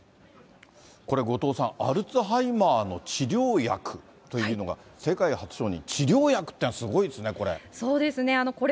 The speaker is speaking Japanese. これ、後藤さん、アルツハイマーの治療薬というのが、世界初承認、治療薬というのはすごいですね、これ。